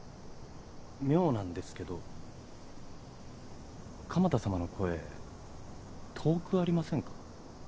妙なんですけど鎌田様の声遠くありませんか？